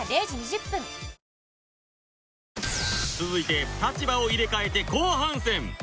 続いて立場を入れ替えて後半戦